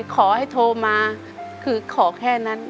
ขอให้โทรมาคือขอแค่นั้น